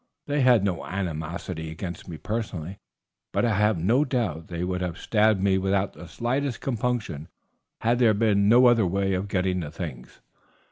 They had no animosity against me personally, but I have no doubt they would have stabbed me without the slightest compunction had there been no other way of getting the things.